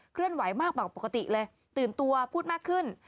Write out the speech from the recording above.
เลื่อนไหวมากกว่าปกติเลยตื่นตัวพูดมากขึ้น